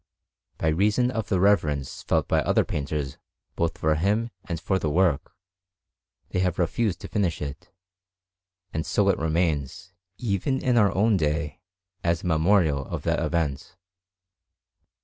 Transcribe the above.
By reason of the reverence felt by other painters both for him and for the work, they have refused to finish it; and so it remains, even in our own day, as a memorial of that event.